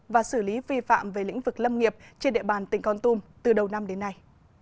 và xử lý vi phạm về lĩnh vực lâm nghiệp trên địa bàn tỉnh con tum từ đầu năm đến nay